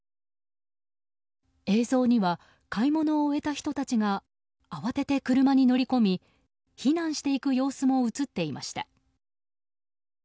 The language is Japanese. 映像には買い物を終えた人たちが慌てて車に乗り込み避難していく様子も映っていました。